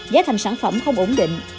giá thành sản phẩm không ổn định